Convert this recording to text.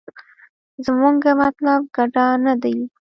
زمونګه مطلوب ګډا نه دې.